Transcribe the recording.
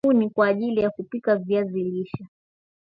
Andaa kuni kwa ajili ya kupika viazi lishe